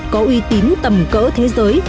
có uy tín tầm cỡ thế giới